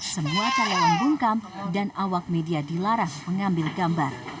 semua karyawan bungkam dan awak media dilarang mengambil gambar